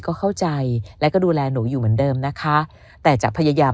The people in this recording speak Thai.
ก็เข้าใจและก็ดูแลหนูอยู่เหมือนเดิมนะคะแต่จะพยายาม